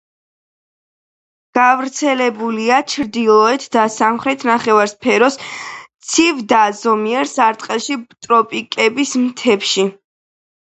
გავრცელებულია ჩრდილოეთ და სამხრეთ ნახევარსფეროს ცივ და ზომიერ სარტყელში, ტროპიკების მთებში.